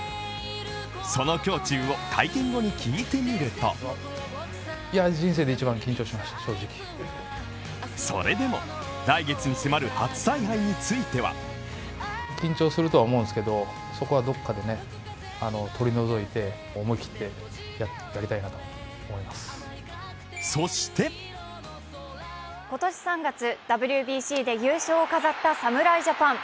その胸中を会見後に聞いてみるとそれでも、来月に迫る初采配については今年３月、ＷＢＣで優勝を飾った侍ジャパン。